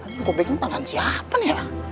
kok pegang tangan siapa nih ya